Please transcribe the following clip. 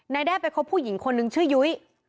แด้ไปคบผู้หญิงคนนึงชื่อยุ้ย